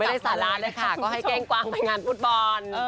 ได้สาราเลยค่ะก็ให้เก้งกวางไปงานฟุตบอล